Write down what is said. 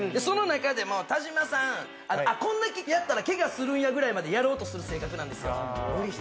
その中でも田島さんあっこんだけやったらケガするんやぐらいまでやろうとする性格なんですよ